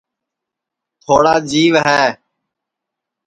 تھواڑا جیو ہے